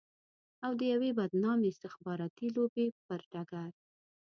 او د يوې بدنامې استخباراتي لوبې پر ډګر.